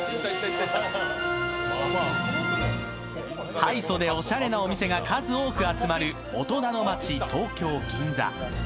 ハイソでおしゃれな店が多く集まる大人の街、中央区銀座。